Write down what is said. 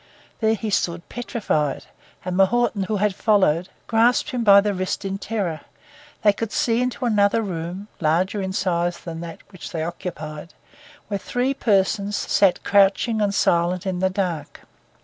There he stood, petrified; and M'Naughten, who had followed, grasped him by the wrist in terror. They could see into another room, larger in size than that which they occupied, where three men sat crouching and silent in the dark.